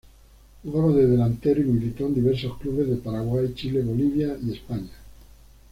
Jugaba de delantero y militó en diversos clubes de Paraguay, Chile, Bolivia y España.